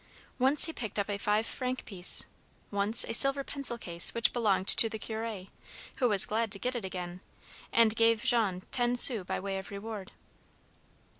Once, he picked up a five franc piece; once, a silver pencil case which belonged to the curé, who was glad to get it again, and gave Jean ten sous by way of reward.